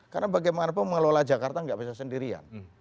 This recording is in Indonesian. karena bagaimanapun mengelola jakarta enggak bisa sendirian